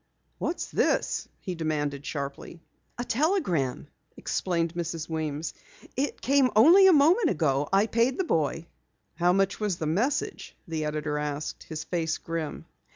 "What's this?" he demanded sharply. "A telegram," explained Mrs. Weems. "It came only a moment ago. I paid the boy." "How much was the message?" the editor asked, his face grim.